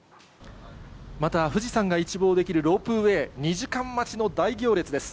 また、富士山が一望できるロープウエー、２時間待ちの大行列です。